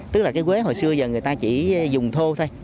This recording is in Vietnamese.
tức là cái quế hồi xưa giờ người ta chỉ dùng thô thôi